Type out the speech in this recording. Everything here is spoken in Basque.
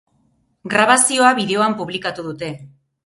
Grabazioa bideoan publikatu dute.